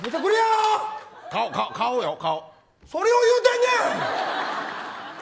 それを言うてんねん。